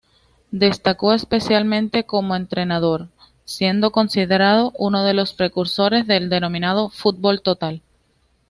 Destacó especialmente como entrenador, siendo considerado uno de los precursores del denominado fútbol total.